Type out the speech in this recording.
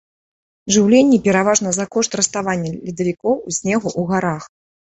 Жыўленне пераважна за кошт раставання ледавікоў і снегу ў гарах.